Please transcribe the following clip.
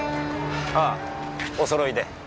ああおそろいで。